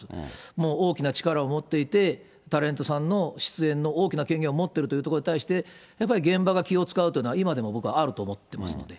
もう大きな力を持っていて、タレントさんの出演の大きな権限を持っているということに対して、やっぱり現場が気を遣うというのは、今でも僕はあると思っていますので。